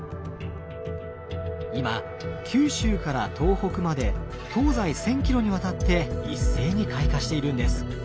今九州から東北まで東西１，０００ｋｍにわたって一斉に開花しているんです。